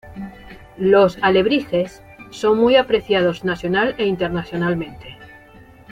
Los alebrijes son muy apreciados nacional e internacionalmente.